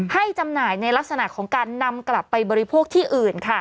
จำหน่ายในลักษณะของการนำกลับไปบริโภคที่อื่น